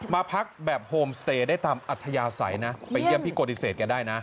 มาพักแบบโฮมสเตย์ได้ตามอัธยาศัยนะไปเยี่ยมพี่โกติเศษแกได้นะ